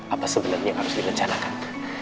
apa sebenarnya harus direncanakan